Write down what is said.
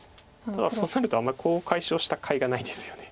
ただそうなるとあんまりコウを解消したかいがないですよね。